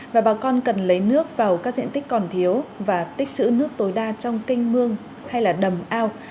và bà con cần lấy nước vào các diện tích còn thiếu và tích chữ nước tối đa trong kinh mương hay là đầm ao